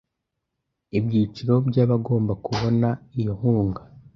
ibyiciro by’abagomba kubona iyo nkunga